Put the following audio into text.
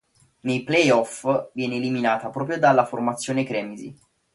Nei play-off viene eliminata proprio dalla formazione cremisi.